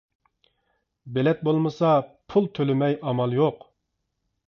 بېلەت بولمىسا پۇل تۆلىمەي ئامال يوق.